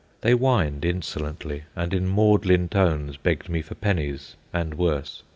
They whined insolently, and in maudlin tones begged me for pennies, and worse.